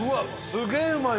すげえうまい！